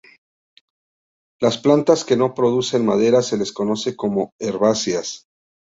Las plantas que no producen madera se les conoce como herbáceas.